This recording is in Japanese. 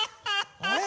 あれ？